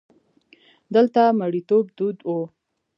دلته مریتوب دود وو.